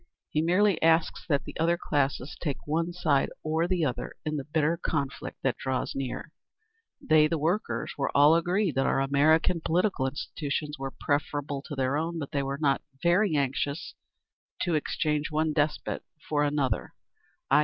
He merely asks that the other classes take one side or the other in the bitter conflict that draws near…. They (the workers) were all agreed that our (American) political institutions were preferable to their own, but they were not very anxious to exchange one despot for another (i.